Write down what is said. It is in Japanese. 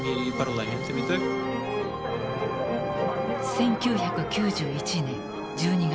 １９９１年１２月。